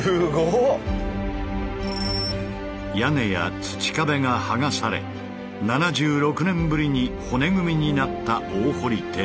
屋根や土壁が剥がされ７６年ぶりに骨組みになった大堀邸。